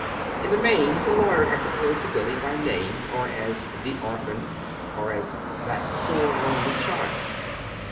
In the main the lawyer had referred to Billy by name, or as "the orphan," or as that "poor, lonely child."